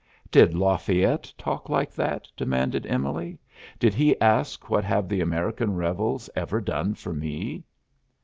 "Did Lafayette talk like that?" demanded Emily. "Did he ask what have the American rebels ever done for me?"